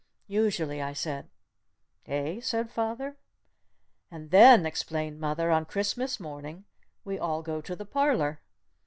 "Usually," I said. "Eh?" said father. "And then," explained mother, "on Christmas morning we all go to the parlor!"